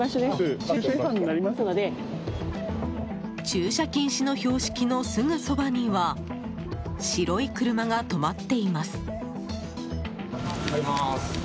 駐車禁止の標識のすぐそばには白い車が止まっています。